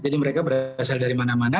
jadi mereka berasal dari mana mana